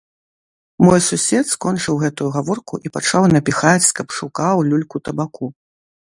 Мой сусед скончыў гэтую гаворку і пачаў напіхаць з капшука ў люльку табаку.